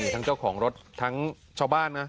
เจ้าของรถทั้งชาวบ้านนะ